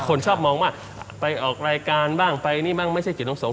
คนชอบมองว่าไปออกรายการบ้างไปนี่บ้างไม่ใช่กิจของสงฆ